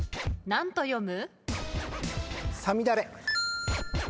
何と読む？